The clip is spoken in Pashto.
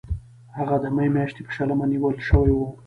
هغه د می میاشتې په شلمه نیول شوی و.